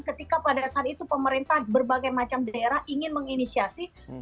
ketika pada saat itu pemerintah berbagai macam daerah ingin menginisiasi